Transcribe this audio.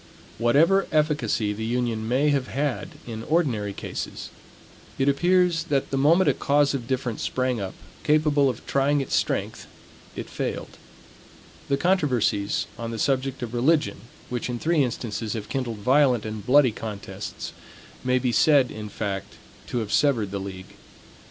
Whatever efficacy the union may have had in ordinary cases, it appears that the moment a cause of difference sprang up, capable of trying its strength, it failed. The controversies on the subject of religion, which in three instances have kindled violent and bloody contests, may be said, in fact, to have severed the league.